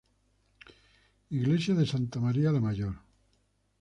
Iglesia de Santa María La Mayor.